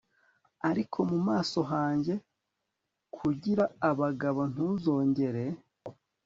ariko mu maso hanjye. kugira abagabo ntuzongere